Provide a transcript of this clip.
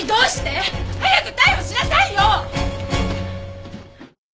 早く逮捕しなさいよ！